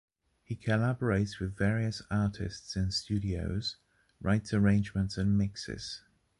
He collaborates with various artists in studios, writes arrangements and mixes.